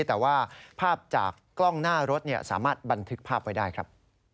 แต่ว่าภาพจากกล้องหน้ารถสามารถบันทึกภาพไว้ได้ครับ